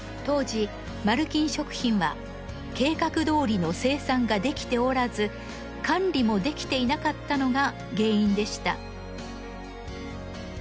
当時丸金食品は計画どおりの生産ができておらず管理もできていなかったのが原因でした。